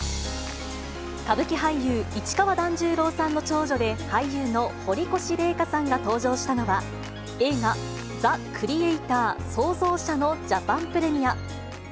歌舞伎俳優、市川團十郎さんの長女で俳優の堀越麗禾さんが登場したのは、映画、ザ・クリエイター／創造者のジャパンプレミア。